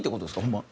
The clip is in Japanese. ホンマ。